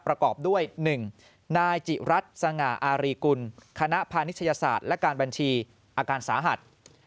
ประกอบด้วย๑นายจิรัตน์สง่าอารีกุลคณะพานิชยศาสตร์และการบัญชีอาการสาหัส